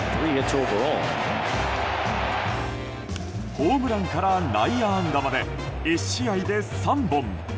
ホームランから内野安打まで１試合で３本。